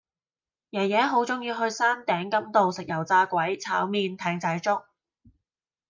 爺爺好鍾意去山頂甘道食油炸鬼炒麵艇仔粥